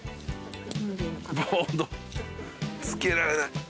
ボードつけられない。